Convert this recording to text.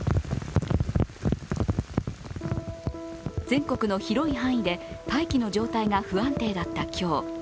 全国の広い範囲で大気の状態が不安定だった今日。